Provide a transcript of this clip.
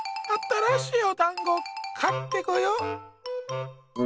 あたらしいおだんごかってこよ。